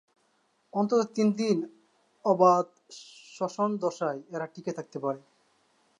অন্তত তিনদিন অবাত শ্বসন দশায় এরা টিকে থাকতে পারে।